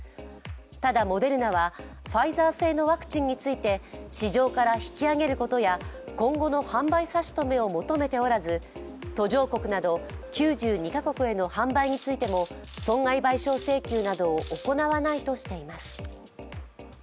ただ、モデルナはファイザー製のワクチンについて、市場から引き揚げることや今後の販売差し止めを求めておらず途上国など９２カ国への販売についても損害賠償請求などを行わないとしています。